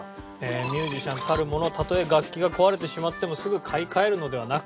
ミュージシャンたるものたとえ楽器が壊れてしまってもすぐ買い替えるのではなく。